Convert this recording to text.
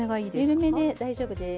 緩めで大丈夫です。